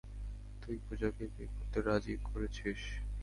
তুই পুজাকে বিয়ে করতে রাজি করেছিস।